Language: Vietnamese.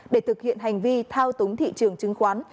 để thực hiện hành vi thao túng thị trường chứng khoán